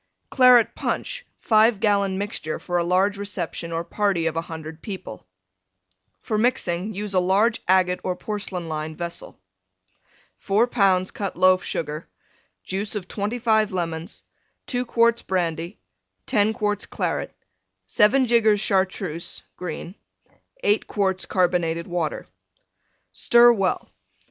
CLARET PUNCH (5 gallon mixture for a large reception or party of 100 people) For mixing use a large agate or porcelain lined vessel. 4 lbs. Cut Loaf Sugar. Juice of 25 Lemons. 2 quarts Brandy. 10 quarts Claret. 7 jiggers Chartreuse (green). 8 quarts Carbonated Water. Stir well.